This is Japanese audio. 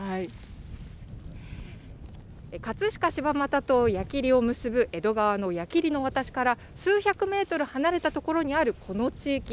葛飾・柴又と矢切を結ぶ江戸川の矢切の渡しから数百メートル離れた所にあるこの地域。